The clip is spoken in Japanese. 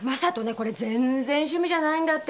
これ全然趣味じゃないんだって。